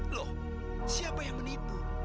loh siapa yang menipu